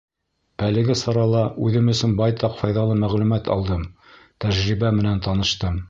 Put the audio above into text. Әлеге сарала үҙем өсөн байтаҡ файҙалы мәғлүмәт алдым, тәжрибә менән таныштым.